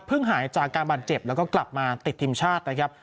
หายจากการบาดเจ็บแล้วก็กลับมาติดทีมชาตินะครับ